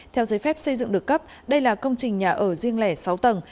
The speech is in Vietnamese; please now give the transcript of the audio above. theo giới phép xây dựng được cấp đây là công trình nhà ở riêng lẻ sáu tầng